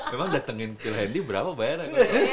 memang datengin phil handy berapa bayar ya